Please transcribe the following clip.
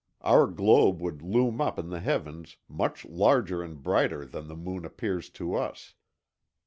Our globe would loom up in the heavens, much larger and brighter than the moon appears to us.